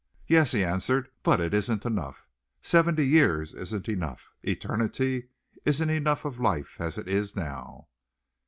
"Yes," he answered, "but it isn't enough. Seventy years isn't enough. Eternity isn't enough of life as it is now."